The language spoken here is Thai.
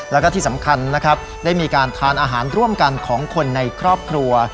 แล้วก็ที่สำคัญนะครับได้มีการทานอาหารร่วมกันของคนในครอบครัว